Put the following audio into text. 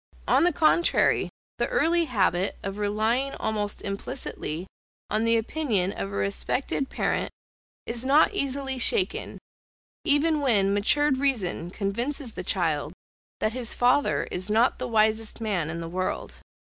on the contrary, the early habit of relying almost implicitly on the opinion of a respected parent is not easily shaken, even when matured reason convinces the child that his father is not the wisest man in the world.